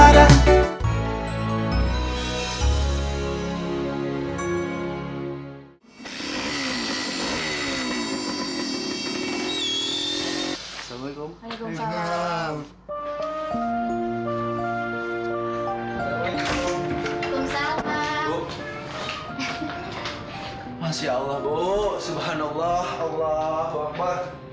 rasa ini tiba tiba ada